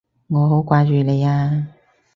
我好掛住你啊！